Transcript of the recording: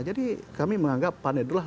jadi kami menganggap pan itu adalah